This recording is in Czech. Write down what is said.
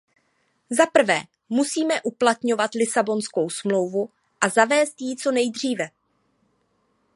Zaprvé, musíme uplatňovat Lisabonskou smlouvu a zavést ji co nejdříve.